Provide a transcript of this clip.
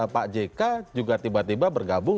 pak jk juga tiba tiba bergabung